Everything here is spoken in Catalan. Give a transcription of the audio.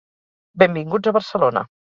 Benvinguts a Barcelona.